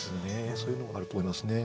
そういうのがあると思いますね。